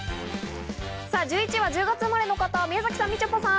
１１位は１０月生まれの方宮崎さんみちょぱさん。